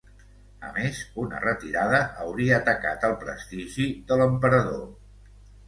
A més, una retirada hauria tacat el prestigi de l'emperador.